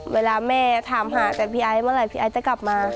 เวลาแม่ถามหาแต่พี่ไอ้เมื่อไหร่พี่ไอ้จะกลับมา